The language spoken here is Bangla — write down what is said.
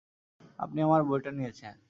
আপনি আমার বইটা নিয়েছেন।